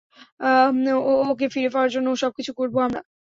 ওকে ফিরে পাওয়ার জন্য সবকিছুই করবো আমরা!